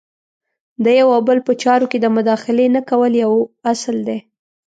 د یو او بل په چارو کې د مداخلې نه کول یو اصل دی.